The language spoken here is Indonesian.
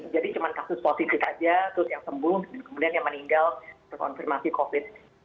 jadi cuma kasus positif saja terus yang sembuh kemudian yang meninggal terkonfirmasi covid